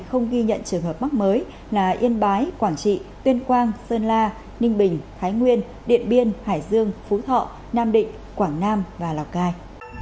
không ghi nhận trường hợp mắc mới là yên bái quảng trị tuyên quang sơn la ninh bình thái nguyên điện biên hải dương phú thọ nam định quảng nam và lào cai